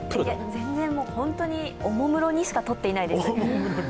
全然、本当におもむろにしか撮っていないです。